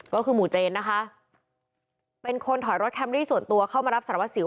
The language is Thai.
ก็คือหมู่เจนนะคะเป็นคนถอยรถแคมรี่ส่วนตัวเข้ามารับสารวัสสิว